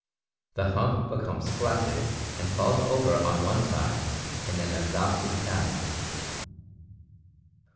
The hump becomes flaccid and falls over on one side in an exhausted camel.